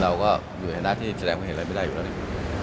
เราก็อยู่ในหน้าที่แสดงความเห็นอะไรไม่ได้อยู่แล้วนี่